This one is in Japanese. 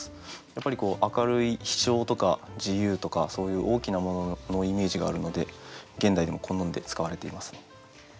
やっぱりこう明るい「飛しょう」とか「自由」とかそういう大きなもののイメージがあるので現代でも好んで使われていますね。